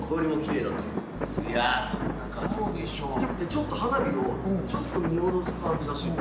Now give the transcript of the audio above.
ちょっと花火を見下ろす感じらしいっすよ。